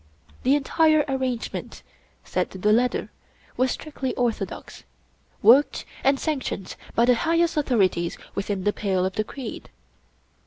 The entire arrangement, said the letter, was strictly orthodox, worked and sanctioned by the highest authorities within the pale of the creed.